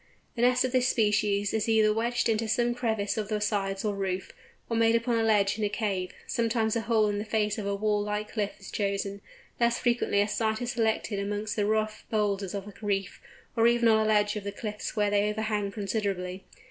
The nest of this species is either wedged into some crevice of the sides or roof, or made upon a ledge in a cave; sometimes a hole in the face of a wall like cliff is chosen; less frequently a site is selected amongst the rough boulders on a reef; or even on a ledge of the cliffs where they overhang considerably.